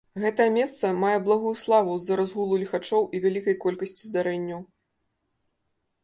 Гэтае месца мае благую славу з-за разгулу ліхачоў і вялікай колькасці здарэнняў.